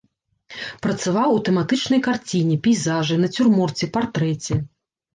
Працаваў у тэматычнай карціне, пейзажы, нацюрморце, партрэце.